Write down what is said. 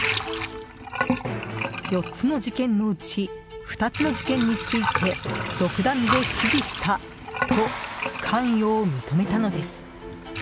４つの事件のうち２つの事件について独断で指示したと関与を認めたのです。